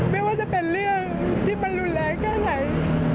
ไม่ว่าจะเป็นเรื่องที่มันรุนแรงแค่ไหน